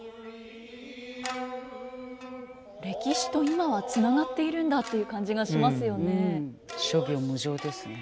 歴史と今はつながっているんだという感じがしますよね。